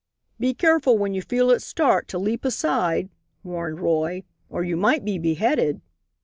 "Be careful when you feel it start, to leap aside," warned Roy, "or you might be beheaded."